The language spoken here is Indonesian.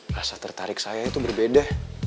rasa tertarik saya itu berbeda